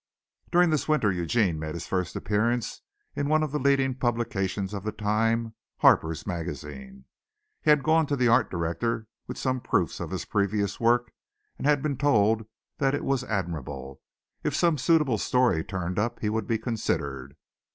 During this winter Eugene made his first appearance in one of the leading publications of the time Harper's Magazine. He had gone to the Art Director with some proofs of his previous work, and had been told that it was admirable; if some suitable story turned up he would be considered.